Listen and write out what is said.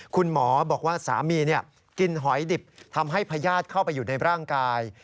คุณหมอบอกว่าสามีกินหอยดิบทำให้พญาติเข้าไปอยู่ในร่างกาย